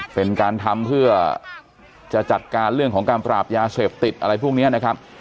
เป็นการทำเพื่อจะจัดการเรื่องของการปราบยาเสพติดอะไรพวกนี้นะครับ